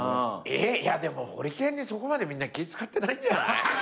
えーいやでもホリケンにそこまでみんな気ぃ使ってないんじゃない？